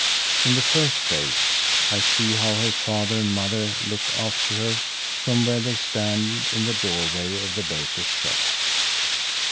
In the first place, I see how her father and mother look after her from where they stand in the doorway of the baker's shop.